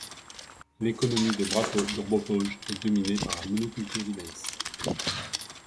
L'économie de Bačko Dobro Polje est dominée par la monoculture du maïs.